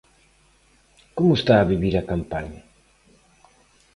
Como está a vivir a campaña?